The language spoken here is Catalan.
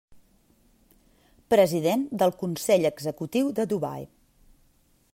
President del Consell Executiu de Dubai.